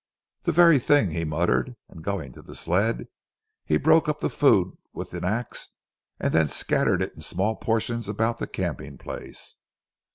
"The very thing!" he muttered, and going to the sled, he broke up the food with an ax and then scattered it in small portions about the camping place.